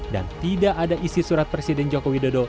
dan tidak ada isi surat presiden joko widodo